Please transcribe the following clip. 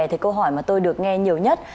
thì câu hỏi mà tôi được nghe nhiều nhất